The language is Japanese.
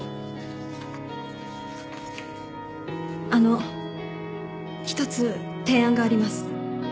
あの一つ提案があります。